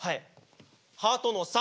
ハートの３。